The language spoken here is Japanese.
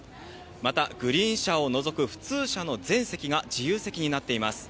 またグリーン車を除く、普通車の全席が自由席になっています。